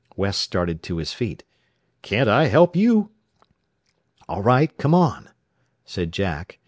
West started to his feet. "Can't I help you?" "All right. Come on," said Jack.